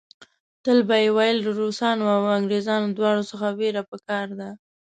تل به یې ویل له روسانو او انګریزانو دواړو څخه وېره په کار ده.